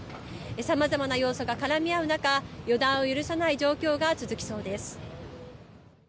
さまざまな要素が絡み合う中、予断を許さない状況が続きそうです。